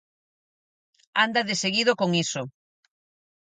Anda deseguido con iso.